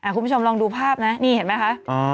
คุณผู้ชมลองดูภาพนะนี่เห็นไหมคะ